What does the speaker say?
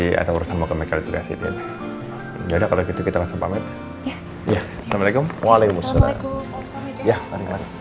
ya assalamualaikum waalaikumsalam ya